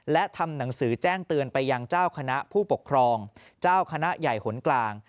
และทำหนังสือแจ้งเตือนไปยังเจ้าคณะผู้ปกครองเจ้าคณะใหญ่หนกลาง